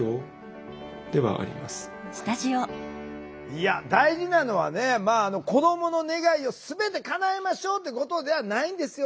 いや大事なのは子どもの願いを全てかなえましょうってことではないんですよ。